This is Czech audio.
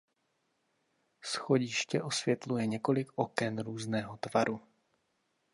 Schodiště osvětluje několik oken různého tvaru.